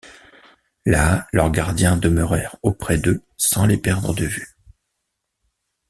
Là, leurs gardiens demeurèrent auprès d’eux sans les perdre de vue.